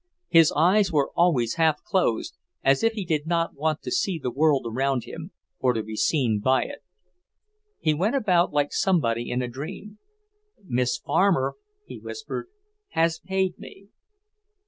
His eyes were always half closed, as if he did not want to see the world around him, or to be seen by it. He went about like somebody in a dream. "Miss Farmer," he whispered, "has paid me."